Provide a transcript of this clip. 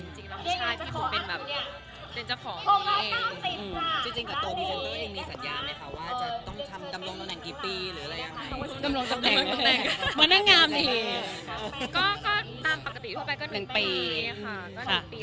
จริงเราไม่ได้มีปัญหาเรื่องเรื่องปากหน้าตานปีโหมหรือมีอะไรละเนี่ย